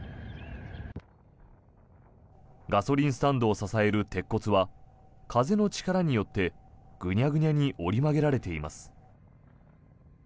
ガソリンスタンドを支える鉄骨は風の力によってグニャグニャに折り曲げられています。